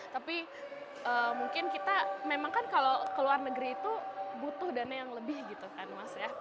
tapi mungkin kita memang kan kalau ke luar negeri itu butuh dana yang lebih gitu kan mas ya